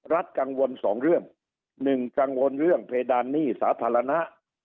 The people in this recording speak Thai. กังวลสองเรื่องหนึ่งกังวลเรื่องเพดานหนี้สาธารณะ